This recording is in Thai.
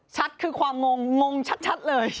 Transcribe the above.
ชัดคือความงงงงชัดเลย